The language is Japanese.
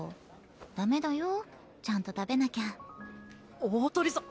ダメだよちゃんと食べなきゃ鳳さん！